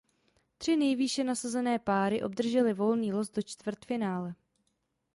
Tři nejvýše nasazené páry obdržely volný los do čtvrtfinále.